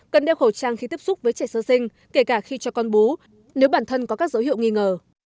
cần đeo khẩu trang khi tiếp xúc với trẻ sơ sinh kể cả khi cho con bú nếu bản thân có các dấu hiệu nghi ngờ